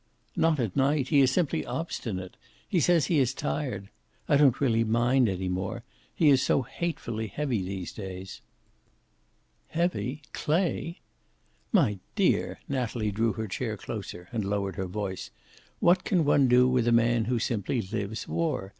"Not at night. He is simply obstinate. He says he is tired. I don't really mind any more. He is so hatefully heavy these days." "Heavy! Clay!" "My dear!" Natalie drew her chair closer and lowered her voice. "What can one do with a man who simply lives war?